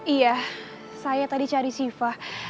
iya saya tadi cari siva